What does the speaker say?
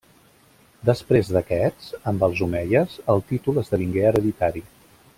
Després d'aquests, amb els omeies, el títol esdevingué hereditari.